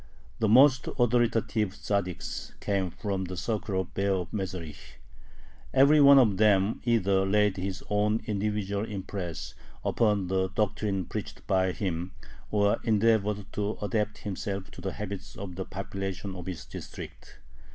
The most authoritative Tzaddiks came from the circle of Baer of Mezherich. Every one of them either laid his own individual impress upon the doctrine preached by him, or endeavored to adapt himself to the habits of the population of his district.